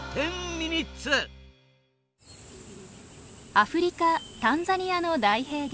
アフリカタンザニアの大平原。